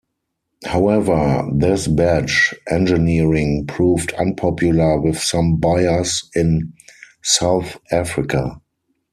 However, this badge engineering proved unpopular with some buyers in South Africa.